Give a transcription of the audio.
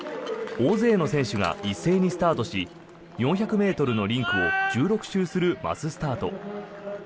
大勢の選手が一斉にスタートし４００ｍのリンクを１６周するマススタート。